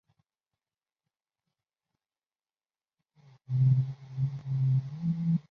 他生于工布博楚寺之中麦地方。